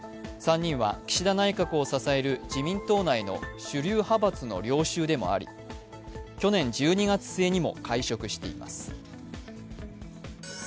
３人は岸田内閣を支える自民党内の主流派閥の領袖でもあり、去年１２月末にも会食しています。